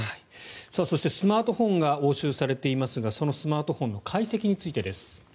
そして、スマートフォンが押収されていますがそのスマートフォンの解析についてです。